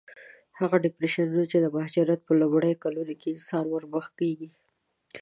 هغه ډېپریشنونه چې د مهاجرت په لومړیو کلونو کې انسان ورسره مخ کېږي.